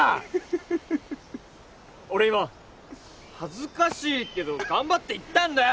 フフフフフ俺今恥ずかしいけど頑張って言ったんだよ！